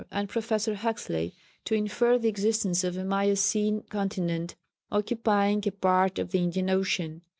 and Professor Huxley to infer the existence of a Miocene continent occupying a part of the Indian Ocean.